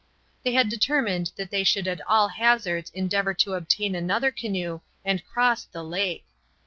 They had determined that they would at all hazards endeavor to obtain another canoe and cross the lake.